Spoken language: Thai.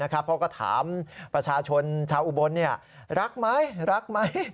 เขาก็ถามประชาชนชาวอุบลรักไหมรักไหม